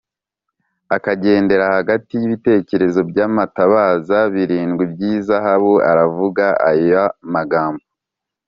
akagendera hagati y’ibitereko by’amatabaza birindwi by’izahabu aravuga aya magambo